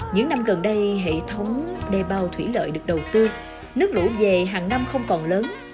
những năm gần đây hệ thống đê bao thủy lợi được đầu tư nước lũ về hàng năm không còn lớn